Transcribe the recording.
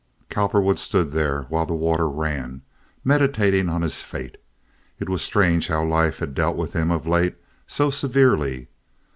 Cowperwood stood there while the water ran, meditating on his fate. It was strange how life had dealt with him of late—so severely.